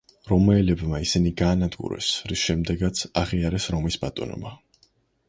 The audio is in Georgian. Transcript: რომაელებმა ისინი გაანადგურეს, რის შემდეგაც აღიარეს რომის ბატონობა.